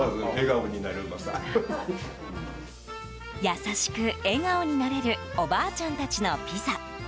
優しく、笑顔になれるおばあちゃんたちのピザ。